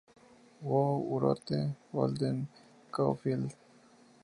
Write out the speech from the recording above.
Who Wrote Holden Caulfield?